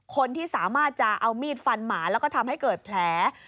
คนที่สามารถจะเอามีดฟันหมาแล้วก็ทำให้เกิดแผล